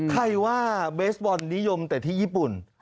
ใครว่าเบสบอลนิยมแต่ที่ญี่ปุ่น